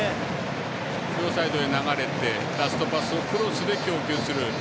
両サイドへ流れてラストパスをクロスで供給する。